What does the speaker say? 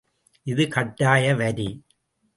இது கட்டாய வரி.